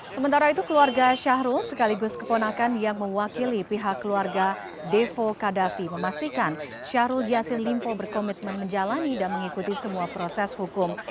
sementara itu keluarga syahrul sekaligus keponakan yang mewakili pihak keluarga devo kadafi memastikan syahrul yassin limpo berkomitmen menjalani dan mengikuti semua proses hukum